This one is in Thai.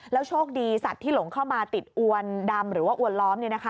โชคดีสัตว์ที่หลงเข้ามาติดอวนดำหรือว่าอวนล้อม